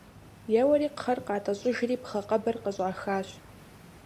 Еуэри кхъэр къатӀэщӀыжри пхъэ къэбыр къыщӀахащ.